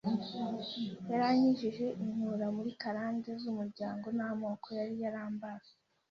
yarankijije inkura muri karande z’umuryango n’amoko yari yarambase